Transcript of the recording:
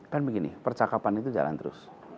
kan begini percakapan itu jalan terus